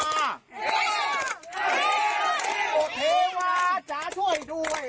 โทษมาจะช่วยด้วย